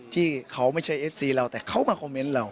ที่เขาไม่ใช่เอฟซีเราแต่เขามาคอมเมนต์เรา